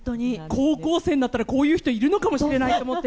高校生になったらこういう人いるのかもしれないと思って。